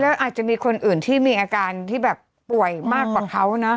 แล้วอาจจะมีคนอื่นที่มีอาการที่แบบป่วยมากกว่าเขานะ